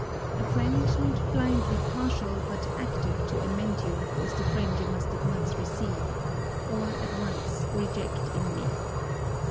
A friend, not blindly partial, but active to amend you, is the friend you must at once receive or at once reject in me.